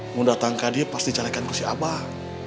mau datang ke dia pasti carikan ke si abah